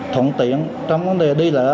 thuận tiện trong vấn đề đi lạ